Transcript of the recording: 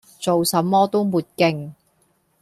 做什麼都沒勁